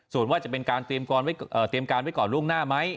ส่วนว่าจะเป็นการเตรียมการไว้ก่อนล่วงหน้าไหม